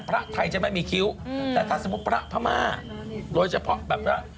พระไทยจะไม่มีคิ้วแต่ถ้าสมมุติพระพม่าโดยเฉพาะแบบว่า